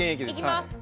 いきます！